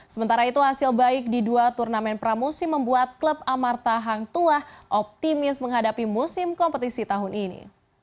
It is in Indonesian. sementara itu hasil baik di dua turnamen pramusim membuat klub amarta hang tuah optimis menghadapi musim kompetisi tahun ini